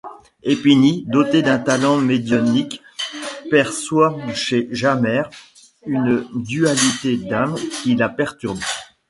Épinie, dotée d'un talent médiumnique, perçoit chez Jamère une dualité d'âme qui la perturbe.